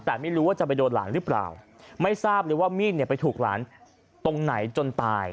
แต่ไม่รู้ว่าจะไปโดนหลานหรือเปล่าไม่ทราบเลยว่ามีดเนี่ยไปถูกหลานตรงไหนจนตาย